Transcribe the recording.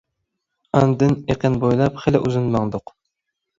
ئاندىن ئېقىن بويلاپ خېلى ئۇزۇن ماڭدۇق.